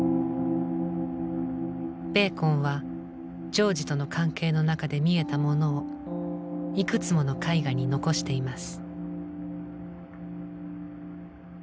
ベーコンはジョージとの関係の中で見えたものをいくつもの絵画に残しています。